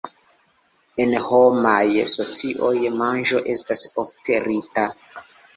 En homaj socioj, manĝo estas ofte rita.